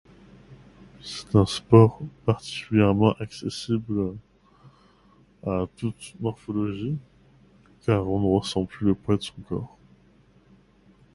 C'est un sport particulièrement accessible à toute morphologie car on ne ressent plus le poids de son corps